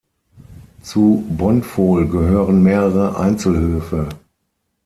Zu Bonfol gehören mehrere Einzelhöfe.